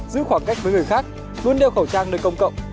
giữ khoảng cách với người khác luôn đeo khẩu trang nơi công cộng